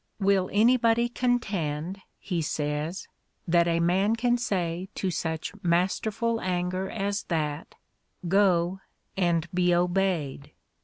"Will anybody contend," he says, "that a man can say to ^uch masterful anger as that, Go, and be obeyed?